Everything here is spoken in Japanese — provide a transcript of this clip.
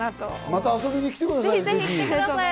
また遊びに来てください。